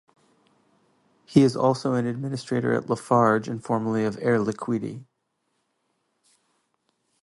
He is also an administrator at Lafarge and formerly of Air Liquide.